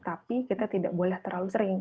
tapi kita tidak boleh terlalu sering